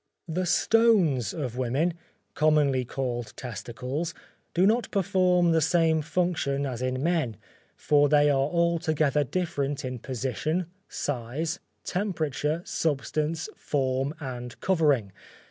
The stones of woman, commonly called testicles, do not perform the same function as in men, for they are altogether different in position, size, temperature, substance, form and covering.